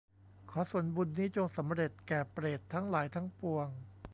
ขอส่วนบุญนี้จงสำเร็จแก่เปรตทั้งหลายทั้งปวง